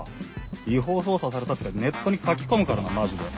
「違法捜査された」ってネットに書き込むからなマジで。